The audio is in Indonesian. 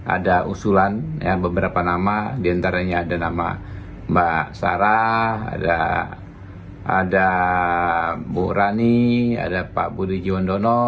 ada usulan beberapa nama diantaranya ada nama mbak sarah ada bu rani ada pak budi jundono